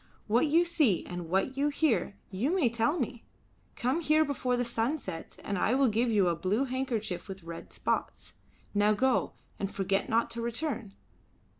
What you see and what you hear you may tell me. Come here before the sun sets and I will give you a blue handkerchief with red spots. Now go, and forget not to return."